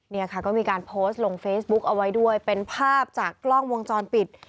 เนี่ยค่ะก็มีการโพสต์ลงเฟซบุ๊กเอาไว้ด้วยเป็นภาพจากกล้องวงจรปิด